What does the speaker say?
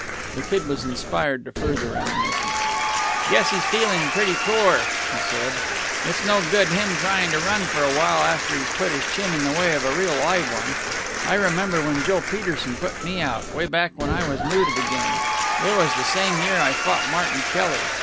The Kid was inspired to further reminiscence. "Guess he's feeling pretty poor," he said. "It's no good him trying to run for a while after he's put his chin in the way of a real live one. I remember when Joe Peterson put me out, way back when I was new to the game it was the same year I fought Martin Kelly.